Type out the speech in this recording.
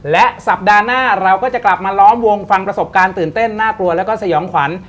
และสัปดาห์หน้าเราก็จะกลับมาล้อมวงฟังประสบการณ์ตื่นเต้นน่ากลัวแล้วก็สยองขวัญ